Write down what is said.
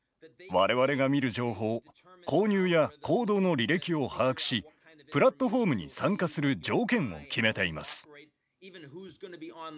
我々が見る情報購入や行動の履歴を把握しプラットフォームに参加する条件を決めています。